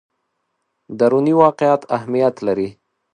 دروني واقعیت اهمیت لري.